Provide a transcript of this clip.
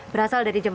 berasal dari jember